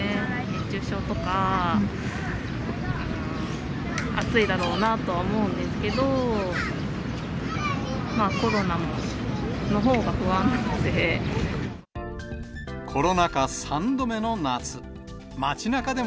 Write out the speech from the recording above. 熱中症とか、暑いだろうなとは思うんですけど、コロナのほうが不安なので。